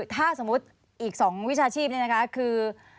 ถ้าสมมุติอีก๒วิชาชีพนี่นะคะคือ